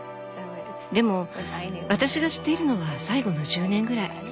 でも私が知っているのは最後の１０年ぐらい。